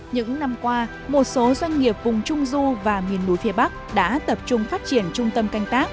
những năm qua một số doanh nghiệp vùng trung du và miền núi phía bắc đã tập trung phát triển trung tâm canh tác